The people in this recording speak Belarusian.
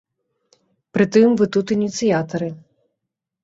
Прытым вы тут ініцыятары.